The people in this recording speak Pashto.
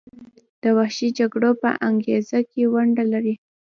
د وحشي جګړو په انګیزه کې ونډه لري.